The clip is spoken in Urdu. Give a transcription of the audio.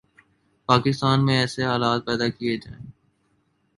پاکستان میں ایسے حالات پیدا کئیے جائیں